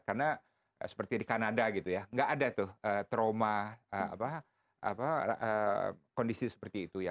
karena seperti di kanada gitu ya nggak ada tuh trauma kondisi seperti itu ya